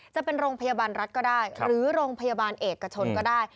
จะเป็นโรงพยาบาลรัฐก็ได้หรือโรงพยาบาลเอกชนก็ได้